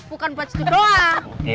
bukan buat setidaknya